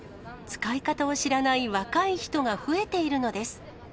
使い方を知らない若い人が増えているのです。